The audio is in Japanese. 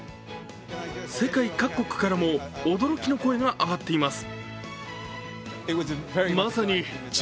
世界各国からも驚きの声が上がっています。